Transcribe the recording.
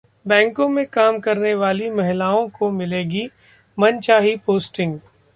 बैंकों में काम करने वाली महिलाओं को मिलेगी मनचाही पोस्टिंग!